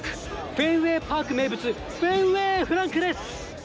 フェンウェイ・パーク名物、フェンウェイフランクです。